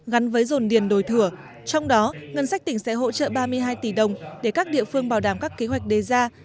gắn với dồn điền đổi thửa trong đó ngân sách tỉnh sẽ hỗ trợ ba mươi hai tỷ đồng để các địa phương bảo đảm các kế hoạch đề ra